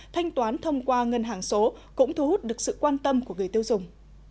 thanh toán thông qua ngân hàng số cũng thu hút được sự quan tâm của người tiêu dùng